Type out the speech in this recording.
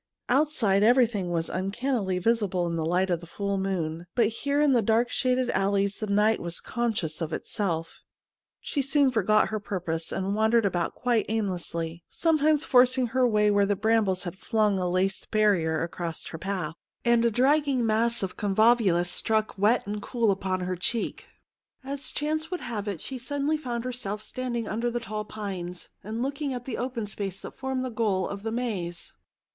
Outside everything was uncannily visible in the light of the full moon, but here in the dark shaded alleys the night was conscious of itself. She soon forgot her purpose, and wandei'ed about quite aimlessly, 47 THE MOON SLAVE sometimes forcing her way where the brambles had flung a laced barrier across her path, and a drag ging mass of convolvulus struck wet and cool upon her cheek. As chance would have it she suddenly found herself standing under the tall pines, and looking at the open space that formed the goal of the maze.